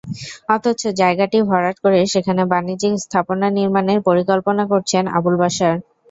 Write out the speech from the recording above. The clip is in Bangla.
অথচ জায়গাটি ভরাট করে সেখানে বাণিজ্যিক স্থাপনা নির্মাণের পরিকল্পনা করছেন আবুল বাশার।